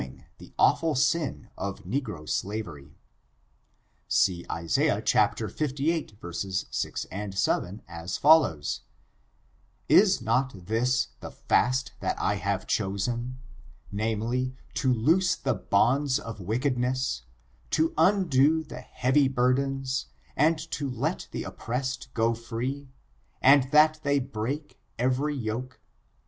g the awful sin of negro slavery. See Isaiah Iviii, 6 and 7, as follows: "Is not this the fast that I have chosen (namely), to loose the bonds of wickedness, to undo the heavy burdens, and to let the oppressed go free, and that they break every yoke.